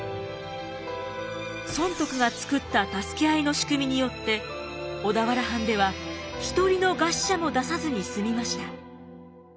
尊徳が作った助け合いの仕組みによって小田原藩では一人の餓死者も出さずに済みました。